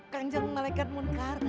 kan jangan mereka munkar